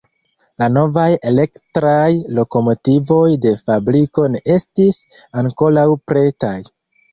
La novaj elektraj lokomotivoj de fabriko ne estis ankoraŭ pretaj.